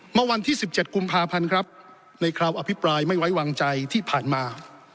เมื่อวันที่๑๗กุมภาพันธ์ครับในคราวอภิปรายไม่ไว้วางใจที่ผ่านมา